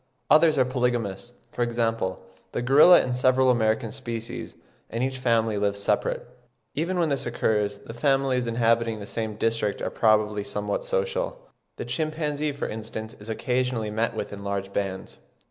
Others are polygamous, for example the gorilla and several American species, and each family lives separate. Even when this occurs, the families inhabiting the same district are probably somewhat social; the chimpanzee, for instance, is occasionally met with in large bands.